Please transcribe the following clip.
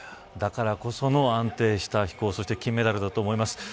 だからこその安定した飛行そして金メダルだと思います。